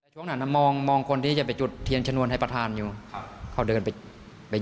แต่เนี่ยมันเข้าทางด้านฝั่งซ้าย